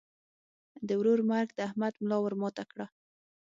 د ورور مرګ د احمد ملا ور ماته کړه.